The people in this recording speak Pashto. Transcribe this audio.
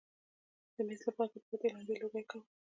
د مېز له پاسه پرتې لمبې لوګی کاوه.